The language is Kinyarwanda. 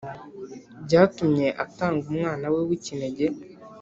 Byatumye atanga umwana we w’ikinege